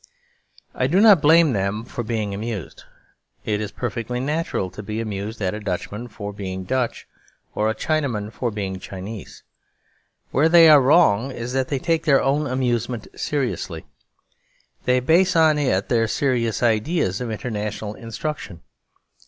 I do not blame them for being amused; it is perfectly natural to be amused at a Dutchman for being Dutch or a Chinaman for being Chinese. Where they are wrong is that they take their own amusement seriously. They base on it their serious ideas of international instruction.